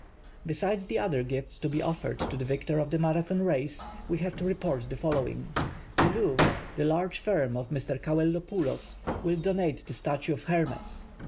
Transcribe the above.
Besides the other gifts to be offered to the victor of the Mara thon race we have to report the following: The "Louvre," the large firm of Mr. Cauellopoulos, will do nate the statue of Hermes.